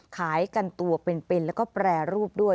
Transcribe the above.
ขายกันตัวเป็นแล้วก็แปรรูปด้วย